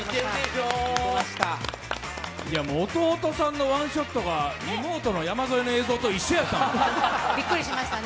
弟さんのワンショットがリモートの山添の映像と一緒だった。